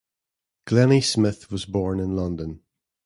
Glennie-Smith was born in London.